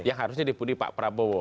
yang sudah dipundi pak prabowo